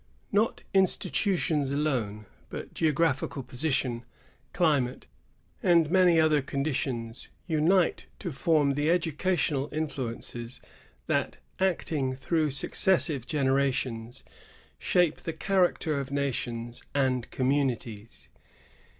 Not institutions alone, but geographical position, climate, and many other conditions unite to form the educational influences that, acting through succes sive generations, shape the character of nations and communities.